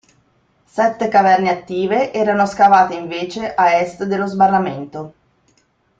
Sette caverne attive erano scavate invece a est dello sbarramento.